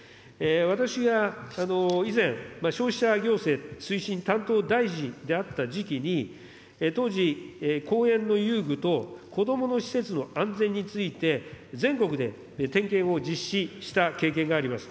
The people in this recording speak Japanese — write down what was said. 私が以前、消費者行政推進担当大臣であった時期に、当時、公園の遊具とこどもの施設の安全について、全国で点検を実施した経験があります。